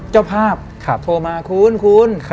เจ้าภาพโทรมาคุณคุณ